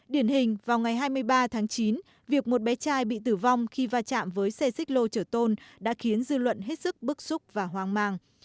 điển hình vào ngày hai mươi ba tháng chín việc một bé trai bị tử vong khi va chạm với xe xích lô chở tôn đã khiến dư luận hết sức bức xúc và hoang mang